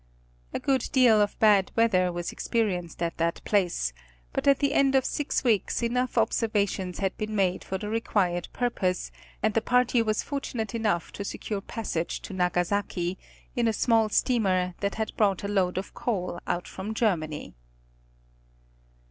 A good deal of bad weather was experienced at this place, but at the end of six weeks enough observations had been made for the required pur pose, and the party was fortunate enough to secure passage to Nagasaki, in a small steamer that had brought a load of coal out from Germany.